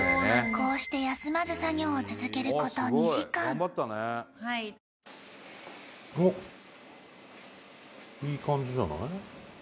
こうして休まず作業を続けること２時間いい感じじゃない？